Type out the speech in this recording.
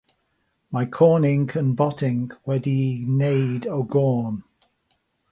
Mae corn inc yn bot inc wedi'i wneud o gorn.